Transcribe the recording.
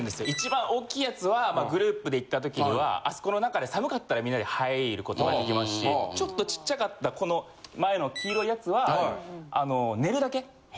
１番大きいやつはグループで行った時にはあそこの中で寒かったらみんなで入ることができますしちょっとちっちゃかったこの前の黄色いやつは寝るだけ。